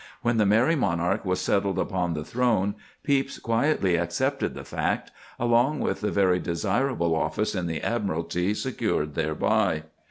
When the Merry Monarch was settled upon the throne, Pepys quietly accepted the fact—along with the very desirable office in the Admiralty secured thereby.